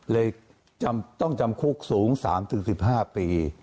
เลยต้องจำคุกสูงสามซึ่งสิบห้าปี